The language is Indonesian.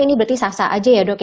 ini berarti sasa saja ya dok ya